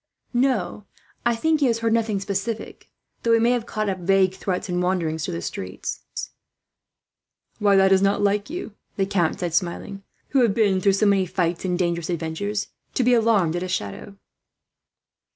"No, I think he has heard nothing specific, though he may have caught up vague threats in wandering through the streets." "Why, that is not like you," the count said, smiling, "who have been through so many fights and dangerous adventures, to be alarmed at a shadow."